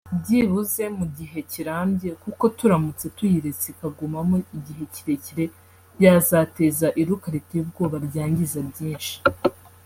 byibuze mu gihe kirambye kuko turamutse tuyiretse ikagumamo igihe kirekire yazateza iruka riteye ubwoba ryangiza byinshi”